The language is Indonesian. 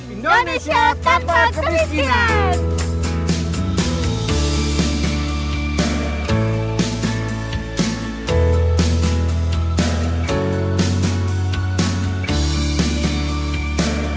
indonesia tanpa kemiskinan